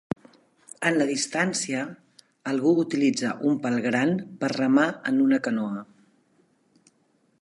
En la distància, algú utilitza un pal gran per remar en una canoa.